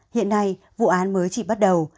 hiện nay vụ án mới chỉ bắt đầu